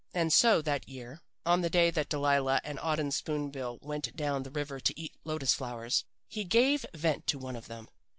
And so that year, on the day that Delilah and Auden Spoon bill went down the river to eat lotus flowers, he gave vent to one of them.